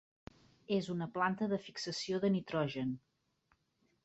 És una planta de fixació de nitrogen.